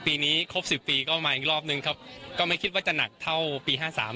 ปีนี้ครบสิบปีก็มาอีกรอบนึงครับก็ไม่คิดว่าจะหนักเท่าปีห้าสาม